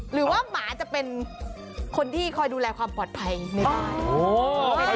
หรือว่าหมาจะเป็นคนที่คอยดูแลความปลอดภัยในตัว